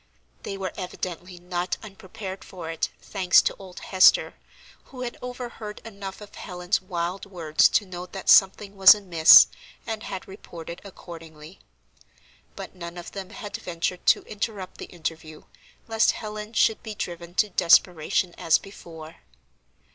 They were evidently not unprepared for it, thanks to old Hester, who had overheard enough of Helen's wild words to know that something was amiss, and had reported accordingly; but none of them had ventured to interrupt the interview, lest Helen should be driven to desperation as before.